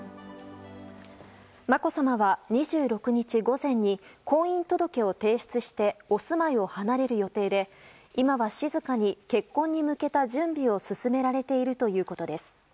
まこさまは２６日午前に婚姻届を提出してお住まいを離れる予定で今は静かに結婚に向けた準備を進められているということです。